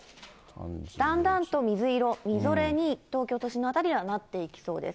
だんだんと水色、みぞれに、東京都心の辺りではなっていきそうです。